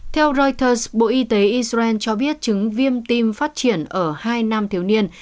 theo reuters bộ y tế israel cho biết trứng viêm tim phát triển ở hai nam thiếu niên